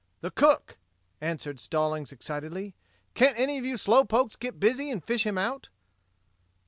"The cook," answered Stallings excitedly. "Can't any of you slow pokes get busy and fish him out?"